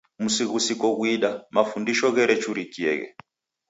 Msughusiko ghuida, mafundisho gherechurikieghe..